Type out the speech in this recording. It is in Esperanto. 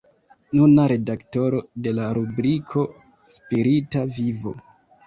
Nuna redaktoro de la rubriko Spirita Vivo.